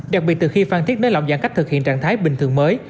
đặc biệt từ khi phan thiết nới lỏng giãn cách thực hiện trạng thái bình thường mới